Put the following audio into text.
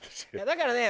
だからね